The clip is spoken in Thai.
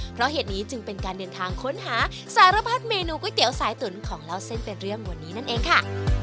เพราะเหตุนี้จึงเป็นการเดินทางค้นหาสารพัดเมนูก๋วยเตี๋ยวสายตุ๋นของเล่าเส้นเป็นเรื่องวันนี้นั่นเองค่ะ